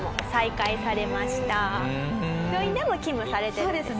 病院でも勤務されてるんですね。